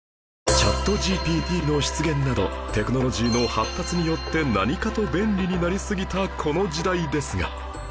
ＣｈａｔＧＰＴ の出現などテクノロジーの発達によって何かと便利になりすぎたこの時代ですが